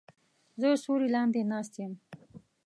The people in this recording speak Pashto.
زه سیوری لاندې ناست یم